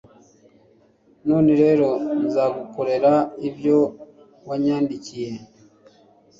none rero, nzagukorera ibyo wanyandikiye